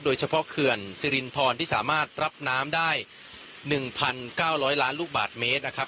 โดยเฉพาะเขื่อนสิรินทรที่สามารถรับน้ำได้หนึ่งพันเก้าร้อยล้านลูกบาทเมตรนะครับ